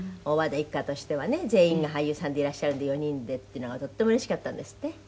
「大和田一家としてはね全員が俳優さんでいらっしゃるんで４人でっていうのがとってもうれしかったんですって？」